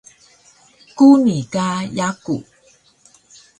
Kuni ka yaku